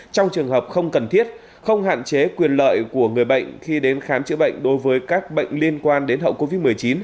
trong trường hợp không cần thiết không hạn chế quyền lợi của người bệnh khi đến khám chữa bệnh đối với các bệnh liên quan đến hậu covid một mươi chín